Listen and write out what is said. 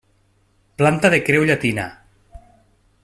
Planta de creu llatina.